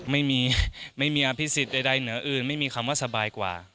ไม่มีไม่มีอภิษฎใดเหนืออื่นไม่มีคำว่าสบายกว่า